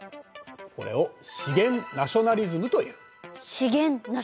これを資源ナショナリズム。